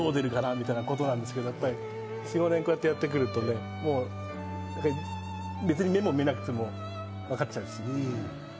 みたいなことがあったんですけど、４５年こうやってやってくると、別に目を見なくてもわかっちゃうんです。